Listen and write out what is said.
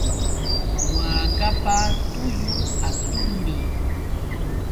Waakapa tullun hatunmi.